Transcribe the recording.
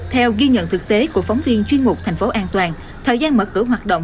theo ghi nhận thực tế của phóng viên chuyên mục thành phố an toàn thời gian mở cửa hoạt động